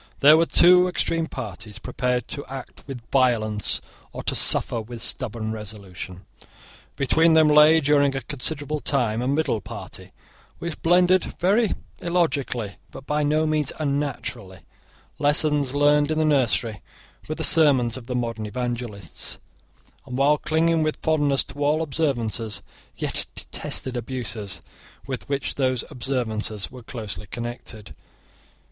There were two extreme parties, prepared to act with violence or to suffer with stubborn resolution. Between them lay, during a considerable time, a middle party, which blended, very illogically, but by no means unnaturally, lessons learned in the nursery with the sermons of the modern evangelists, and, while clinging with fondness to all observances, yet detested abuses with which those observances were closely connected.